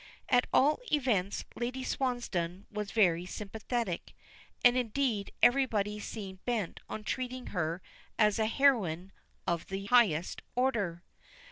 At all events Lady Swansdown was very sympathetic, and indeed everybody seemed bent on treating her as a heroine of the highest order.